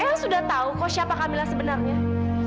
el sudah tahu kok siapa kamila sebenarnya